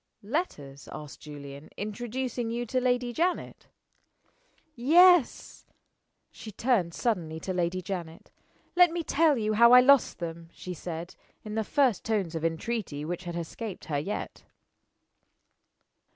"Letters," asked Julian, "introducing you to Lady Janet?" "Yes." She turned suddenly to Lady Janet. "Let me tell you how I lost them," she said, in the first tones of entreaty which had escaped her yet.